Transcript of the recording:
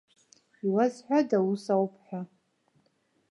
Иуазҳәада ус ауп ҳәа?!